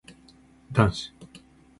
男子